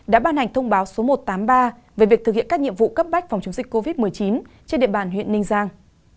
đã ban hành thông báo số một trăm tám mươi ba về việc thực hiện các nhiệm vụ cấp bách phòng chống dịch covid một mươi chín trên địa bàn huyện ninh giang